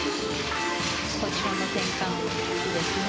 ポジションの転換、いいですね。